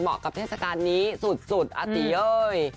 เหมาะกับเทศกาลนี้สุดอาติเย้ย